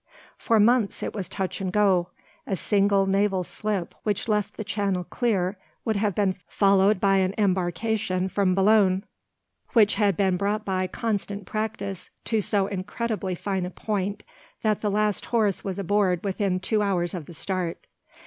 For months it was touch and go. A single naval slip which left the Channel clear would have been followed by an embarkation from Boulogne, which had been brought by constant practice to so incredibly fine a point that the last horse was aboard within two hours of the start.